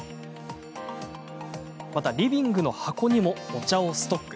リビングの箱にもお茶をストック。